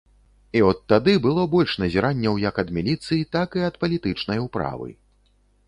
І от тады было больш назіранняў як ад міліцыі, так і ад палітычнай управы.